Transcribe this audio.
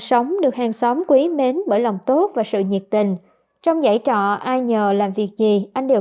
sống được hàng xóm quý mến bởi lòng tốt và sự nhiệt tình trong dãy trọ ai nhờ làm việc gì anh đều